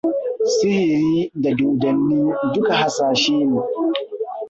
Sihiri da dodanni, duk hasashe ne.